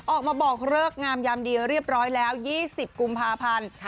ออกมาบอกเลิกงามยามดีเรียบร้อยแล้ว๒๐กุมภาพันธ์